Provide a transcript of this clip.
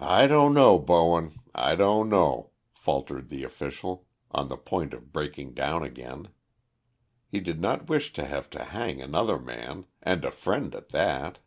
"I don't know, Bowen, I don't know," faltered the official, on the point of breaking down again. He did not wish to have to hang another man, and a friend at that.